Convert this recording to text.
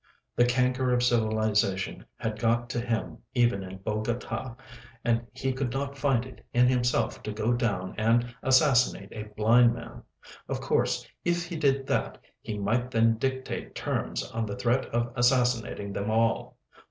The canker of civilisation had got to him even in Bogota, and he could not find it in himself to go down and assassinate a blind man. Of course, if he did that, he might then dictate terms on the threat of assassinating them all.